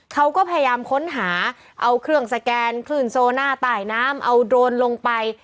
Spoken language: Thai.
เขาก็พยายามค้นหาเอาเครื่องสแกนคลื่นโซน่าตายน้ำเอาโดรนลงไป